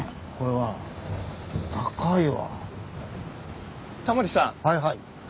はいはい。